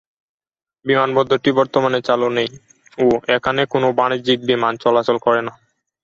বিমানবন্দরটি বর্তমানে চালু নেই ও এখানে কোন বাণিজ্যিক বিমান চলাচল করে না।